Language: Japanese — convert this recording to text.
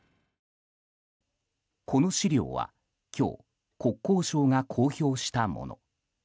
この資料は今日、国交省が公表したもの。